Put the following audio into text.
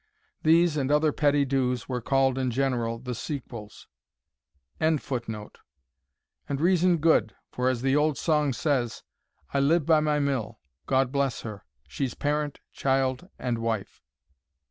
These and other petty dues were called in general the Sequels.] And reason good, for as the old song says, I live by my mill. God bless her, She's parent, child, and wife.